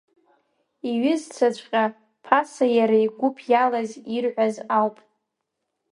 Иҩызцәаҵәҟьа, ԥаса иара игәыԥ иалаз ирҳәоз ауп…